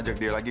mbak mbak apa